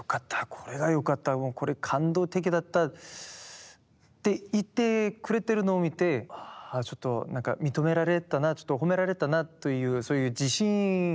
これがよかったこれ感動的だったって言ってくれてるのを見てちょっと何か認められたなちょっと褒められたなというそういう自信ができてですね